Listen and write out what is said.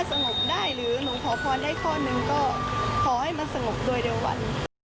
สงบได้หรือหนูขอพรได้ข้อหนึ่งก็ขอให้มันสงบโดยเร็ววัน